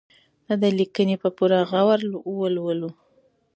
د ده لیکنې په پوره غور ولولو.